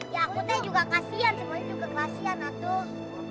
ya aku teh juga kasian semuanya juga kasian atuh